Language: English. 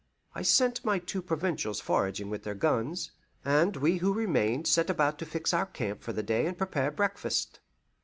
I sent my two Provincials foraging with their guns, and we who remained set about to fix our camp for the day and prepare breakfast.